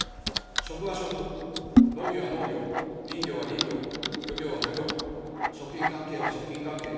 食は食、農業は農業、林業は林業、漁業は漁業、食品関係は食品関係、医療は医療。